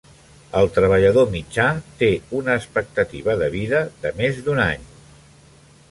El treballador mitjà té una expectativa de vida de més d'un any.